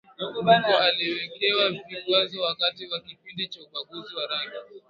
Biko aliwekewa vikwazo wakati wa kipindi cha ubaguzi wa rangi